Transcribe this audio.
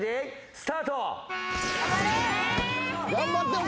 スタート。